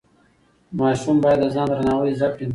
ماشوم باید د ځان درناوی زده کړي.